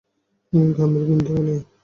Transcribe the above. ঘামের বিন্দুও নেই।